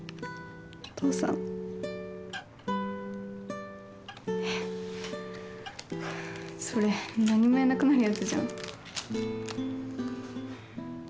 父さんそれ何も言えなくなるやつじゃん